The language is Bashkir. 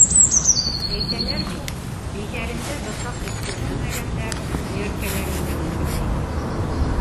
Әйтәләр бит, өйҙәрендә бысаҡ үткерләмәгәндәр, һөйәркәләрендә үткерләй тип.